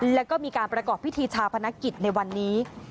แล้วก็มีการประกอบพิธีชาพนักกิจในวันนี้